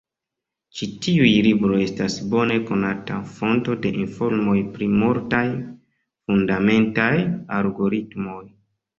Ĉi tiuj libroj estas bone konata fonto de informoj pri multaj fundamentaj algoritmoj.